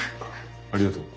ありがとう。